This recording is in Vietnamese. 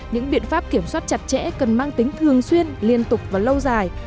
những biện pháp kiểm soát chặt chẽ cần mang tính thường xuyên liên tục và lâu dài